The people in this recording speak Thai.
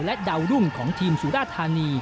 และดาวรุ่งของทีมสุราธานี